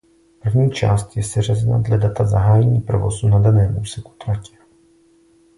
První část je seřazena dle data zahájení provozu na daném úseku tratě.